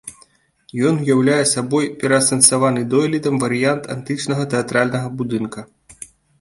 Ён уяўляе сабой пераасэнсаваны дойлідам варыянт антычнага тэатральнага будынка.